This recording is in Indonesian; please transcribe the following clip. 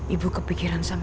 ibu kepikiran sama mama